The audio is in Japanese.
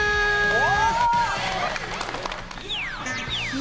お！